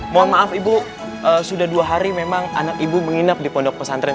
mohon maaf ibu sudah dua hari memang anak ibu menginap di pondok pesantren